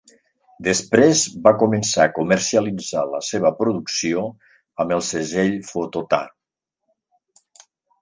Després, va començar a comercialitzar la seva producció amb el segell Photo Taro.